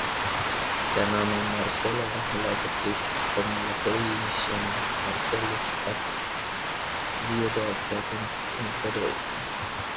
Der Name Marcelo leitet sich vom lateinischen Marcellus ab; siehe dort Herkunft und Bedeutung.